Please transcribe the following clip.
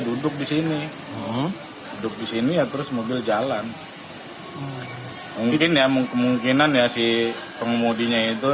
duduk di sini duduk di sini ya terus mobil jalan mungkin ya mungkin anja sih pengumumnya itu